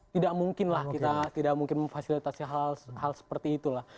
tidak mungkin lah kita tidak mungkin memfasilitasi hal seperti itulah